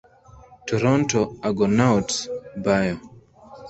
Toronto Argonauts bio